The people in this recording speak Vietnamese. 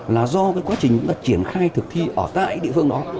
là do cái quá trình triển khai thực thi ở tại địa phương đó